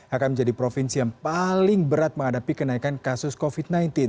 akan menjadi provinsi yang paling berat menghadapi kenaikan kasus covid sembilan belas